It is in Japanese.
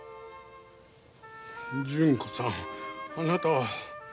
純子さんあなたは。